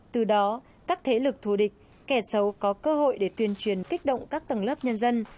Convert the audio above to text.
từ đó các thế lực thù địch kẻ xấu có cơ hội để tuyên truyền kích động các tầng lớp nhân dân